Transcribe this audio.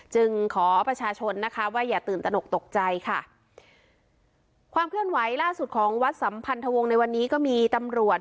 จึงขอประชาชนนะคะว่าอย่าตื่นตนกตกใจค่ะความเคลื่อนไหวล่าสุดของวัดสัมพันธวงศ์ในวันนี้ก็มีตำรวจ